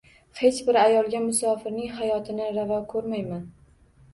Hech bir ayolga musofirning hayotini ravo ko‘rmayman